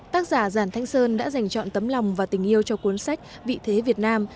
tác giả giản thanh sơn đã dành chọn tấm lòng và tình yêu cho cuốn sách vị thế việt nam